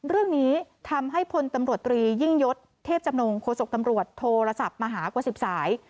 เรื่องนี้ทำให้พลตำรวจตรียิ่งยศเทพจำนงโฆษกตำรวจโทรศัพท์มาหากว่า๑๐สาย